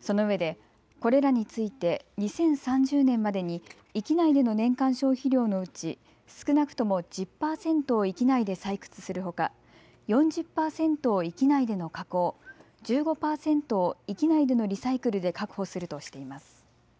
そのうえでこれらについて２０３０年までに域内での年間消費量のうち少なくとも１０％を域内で採掘するほか４０％を域内での加工、１５％を域内でのリサイクルで確保するとしています。